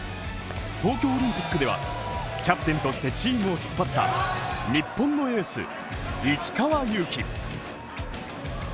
東京オリンピックではキャプテンとしてチームを引っ張った日本のエース・石川祐希。